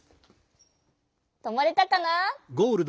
とまれたかな？